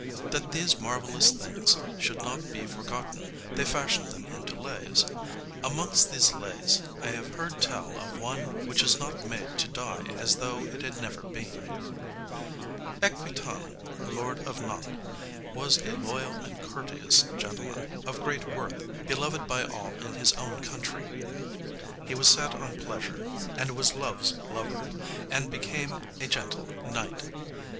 That these marvellous things should not be forgotten they fashioned them into Lays. Amongst these Lays I have heard tell of one which is not made to die as though it had never been. Equitan, lord of Nantes, was a loyal and courteous gentleman, of great worth, beloved by all in his own country. He was set on pleasure, and was Love's lover, as became a gentle knight.